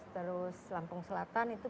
terus lampung selatan itu